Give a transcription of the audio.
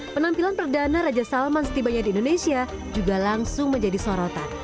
penampilan perdana raja salman setibanya di indonesia juga langsung menjadi sorotan